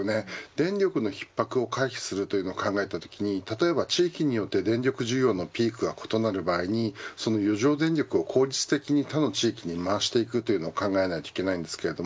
電力の逼迫を回避するというのを考えたときに例えば地域によって電力需要のピークが異なる場合に余剰電力を効率的に他の地域に回していくというのを考えないといけません。